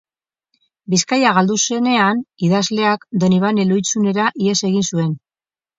Bizkaia galdu zenean, idazleak Donibane Lohizunera ihes egin zuen.